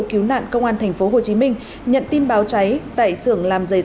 cứu nạn công an tp hcm nhận tin báo cháy tại xưởng làm dây dạy